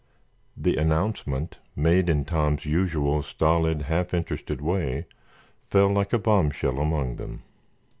The announcement, made in Tom's usual stolid, half interested way, fell like a bombshell among them.